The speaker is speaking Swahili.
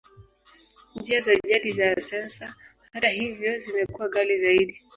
Njia za jadi za sensa, hata hivyo, zimekuwa ghali zaidi.